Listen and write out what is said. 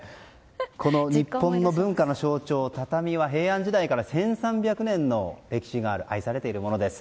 この日本の文化の象徴畳は平安時代から１３００年の歴史がある愛されるものです。